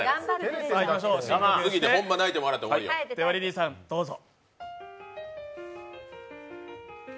リリーさん、どうぞ。